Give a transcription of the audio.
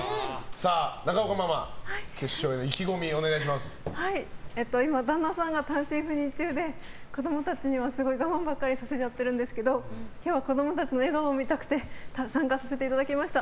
中岡ママ、決勝への旦那さんが単身赴任中で子供たちには、すごい我慢ばかりさせちゃってるんですけど今日子供たちの笑顔を見たくて参加させていただきました。